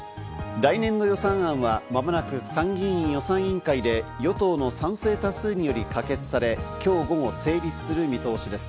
来年度予算案は間もなく参議院予算委員会で与党の賛成多数により可決され今日午後、成立する見通しです。